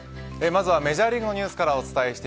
まずはメジャーリーグのニュースです。